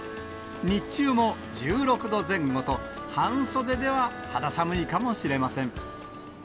日中も１６度前後と、半袖では肌寒いかもしれません。